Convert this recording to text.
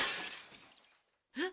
えっ。